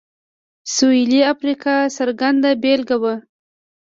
سوېلي افریقا څرګنده بېلګه وه.